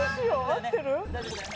合ってる？